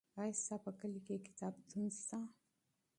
آیا ستا په کلي کې کتابتون شته؟